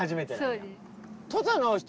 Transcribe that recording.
そうです。